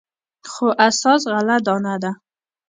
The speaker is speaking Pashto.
خو اساس غله دانه ده.